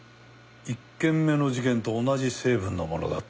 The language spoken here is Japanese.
１件目の事件と同じ成分のものだった。